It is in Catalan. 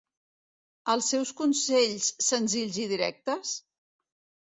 Els seus consells senzills i directes?